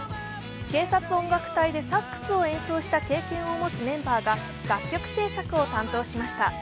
警察音楽隊でサックスを演奏した経験を持つメンバーが楽曲制作を担当しました。